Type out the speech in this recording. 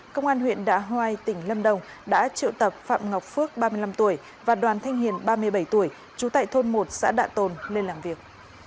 công an huyện đạ hoai tỉnh lâm đồng đã triệu tập phạm ngọc phước ba mươi năm tuổi và đoàn thanh hiền ba mươi bảy tuổi trú tại thôn một xã đạ tôn lên làm việc